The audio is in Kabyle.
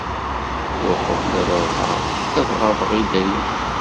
Uqbel ad ruḥeɣ, ad ɣabeɣ i dayem.